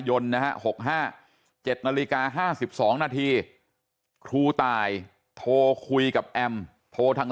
ยนต์นะฮะ๖๕๗นาฬิกา๕๒นาทีครูตายโทรคุยกับแอมโทรทาง